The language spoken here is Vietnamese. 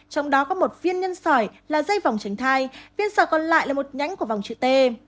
trong đó có một viên nhân sỏi là dây vòng tránh thai viên sỏi còn lại là một nhãn của vòng chữ t